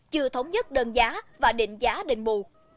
chưa thống nhất đơn giá và định giá đền bù